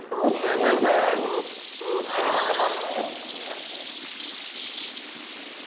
行きましょか。